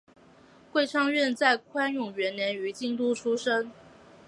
桂昌院在宽永元年于京都出生。